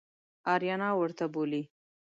آریانا ورته بولي.